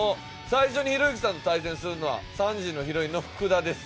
最初にひろゆきさんと対戦するのは３時のヒロインの福田です。